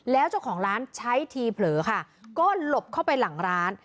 แล้วเจ้าของร้านใช้ทีเผลอค่ะก็หลบเข้าไปหลังร้าน